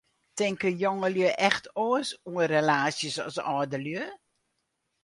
Tinke jongelju echt oars oer relaasjes as âldelju?